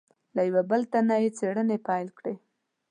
له یوه بل تن نه یې څېړنې پیل کړې.